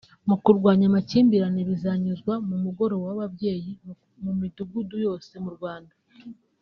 mu kurwanya amakimbirane bizanyuzwa mu mugoroba w’ababyeyi mu midugudu yose mu Rwanda